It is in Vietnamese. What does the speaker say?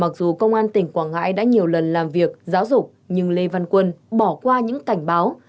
mặc dù công an tỉnh quảng ngãi đã nhiều lần làm việc giáo dục nhưng lê văn quân bỏ qua những cảnh báo